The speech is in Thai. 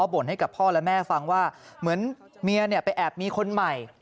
บ่นให้กับพ่อและแม่ฟังว่าเหมือนเมียไปแอบมีคนใหม่